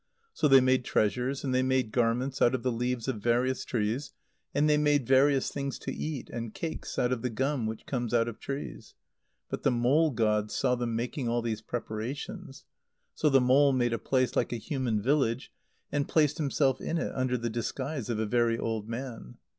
So they made treasures and they made garments out of the leaves of various trees, and they made various things to eat and cakes out of the gum which comes out of trees. But the mole[ god] saw them making all these preparations. So the mole made a place like a human village, and placed himself in it under the disguise of a very old man.